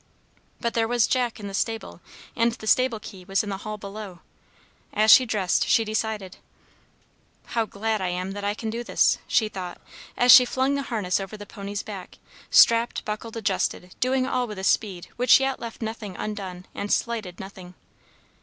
But there was Jack in the stable, and the stable key was in the hall below. As she dressed, she decided. "How glad I am that I can do this!" she thought, as she flung the harness over the pony's back, strapped, buckled, adjusted, doing all with a speed which yet left nothing undone and slighted nothing.